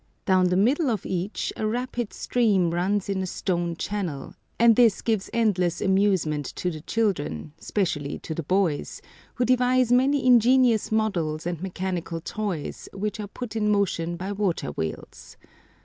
Down the middle of each a rapid stream runs in a stone channel, and this gives endless amusement to the children, specially to the boys, who devise many ingenious models and mechanical toys, which are put in motion by water wheels.